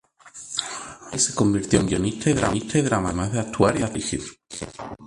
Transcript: May se convirtió en guionista y dramaturga, además de actuar y dirigir.